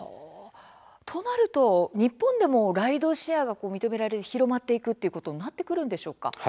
となると、日本でもライドシェアが認められて広まっていくということになっていくんでしょうか。